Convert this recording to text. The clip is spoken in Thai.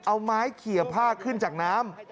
เอาไม้เขียผ้าขึ้นจากน้ำ